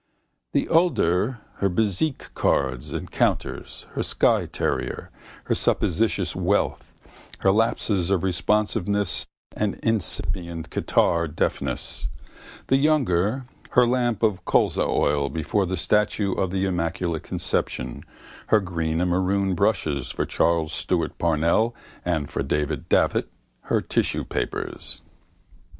The older, her bezique cards and counters, her Skye terrier, her suppositious wealth, her lapses of responsiveness and incipient catarrhal deafness: the younger, her lamp of colza oil before the statue of the Immaculate Conception, her green and maroon brushes for Charles Stewart Parnell and for Michael Davitt, her tissue papers.